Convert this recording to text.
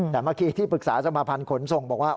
แต่เมื่อกี้ที่ปรึกษาสมาภัณฑ์ขนส่งบอกว่า